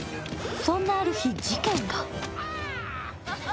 そんなある日、事件が。